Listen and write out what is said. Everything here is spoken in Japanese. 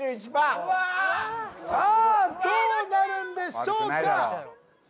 ・うわさあどうなるんでしょうか・えっ